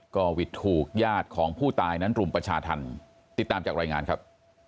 ก็วิทย์ถูกญาติของผู้ตายนั้นรุมประชาธรรมติดตามจากรายงานครับ